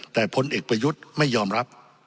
แต่พลเอกประยุทธ์ไม่ยอมรับ